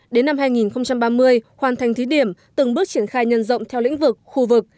đến năm hai nghìn ba mươi hoàn thành thí điểm từng bước triển khai nhân rộng theo lĩnh vực khu vực